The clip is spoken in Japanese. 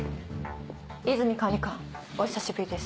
和泉管理官お久しぶりです。